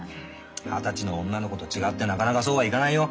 二十歳の女の子と違ってなかなかそうはいかないよ。